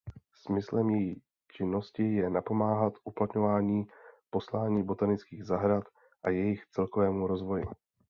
Smyslem její činnosti je napomáhat uplatňování poslání botanických zahrad a jejich celkovému rozvoji.